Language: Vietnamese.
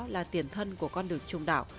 là tiền thân của con đường trung đảo